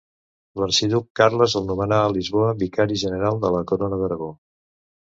L'arxiduc Carles el nomenà a Lisboa, Vicari General de la Corona d'Aragó.